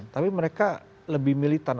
tapi mereka lebih militan